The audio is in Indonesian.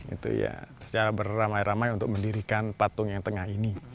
itu ya secara beramai ramai untuk mendirikan patung yang tengah ini